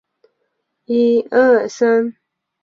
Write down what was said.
科学家们就是用这个特征来辨别美颌龙及它的近亲。